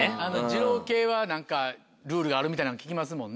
二郎系は何かルールがあるみたいなん聞きますもんね。